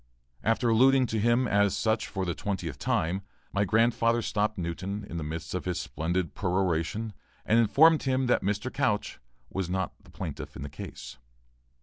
After alluding to him as such for the twentieth time, my grandfather stopped Newton in the midst of his splendid peroration and informed him that Mr. Couch was not the plaintiff in the case.